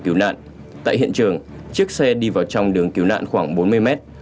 trong đường cứu nạn tại hiện trường chiếc xe đi vào trong đường cứu nạn khoảng bốn mươi mét